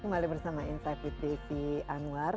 kembali bersama insight with desi anwar